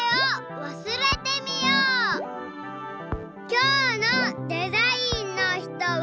きょうのデザインの人は